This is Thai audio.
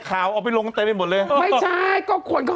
แคบลงหมื่นหมดเลย